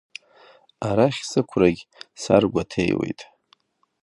Арахь сықәрагь саргәаҭеиуеит!